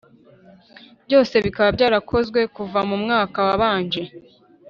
Byose bikaba byarakozwe kuva mu mwaka wabanje